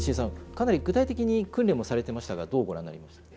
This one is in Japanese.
かなり具体的に訓練もされてましたがどうご覧になりました？